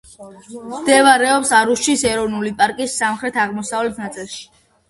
მდებარეობს არუშის ეროვნული პარკის სამხრეთ-აღმოსავლეთ ნაწილში.